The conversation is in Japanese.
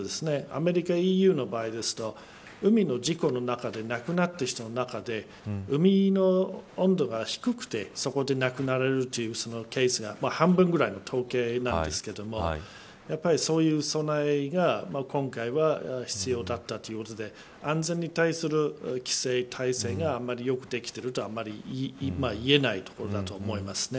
アメリカ、ＥＵの場合ですと海の事故の中で亡くなった人の中で海の温度が低くて、そこで亡くなられるというケースが半分ぐらい統計なんですけどもそういう備えが今回は必要だったということで安全に対する規制、体制があんまり良くできているとはいえないところだと思います。